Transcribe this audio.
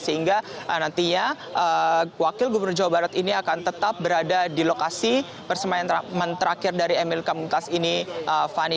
sehingga nantinya wakil gubernur jawa barat ini akan tetap berada di lokasi persemaian terakhir dari mlk muntas ini fani